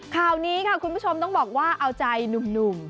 ข่าวนี้ค่ะคุณผู้ชมต้องบอกว่าเอาใจหนุ่ม